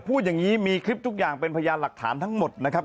พูดอย่างนี้มีคลิปทุกอย่างเป็นพยานหลักฐานทั้งหมดนะครับ